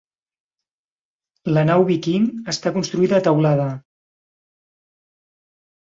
La nau viking està construïda a teulada.